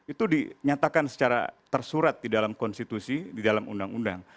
itu dinyatakan secara tersurat di dalam konstitusi di dalam undang undang